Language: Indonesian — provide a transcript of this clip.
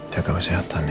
jaga kesehatan ya